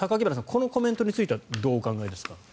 このコメントについてはどうお考えですか？